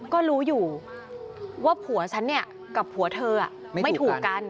ก็รู้อยู่ว่าผัวฉันเนี่ยกับผัวเธอไม่ถูกกัน